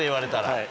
はい。